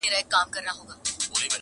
چي منگول ته مو جوړ کړی عدالت دئ.!